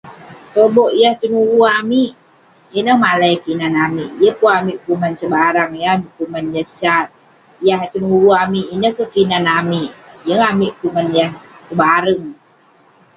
Tobouk yah tenuvu amik, ineh malai kinan amik. Yeng pun amik kuman cebarang, yeng amik kuman yah sat. Yah tenuvu amik ineh keh kinan amik. Yeng amik kuman yah pebareng.